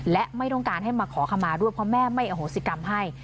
และไม่ต้องการให้มาขอคำมาด้วยเพราะแม่ไม่อโหสิกรรมให้